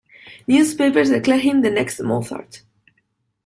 Newspapers declared him the next Mozart.